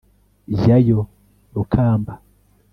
jyayo rukamba